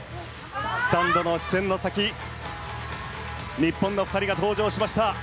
スタンドの視線の先日本の２人が登場しました。